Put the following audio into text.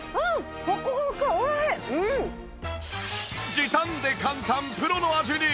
時短で簡単プロの味に！